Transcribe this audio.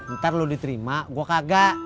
ntar lu diterima gue kagak